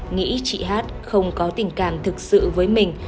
nghĩ chị hát không có tình cảm thực sự với mình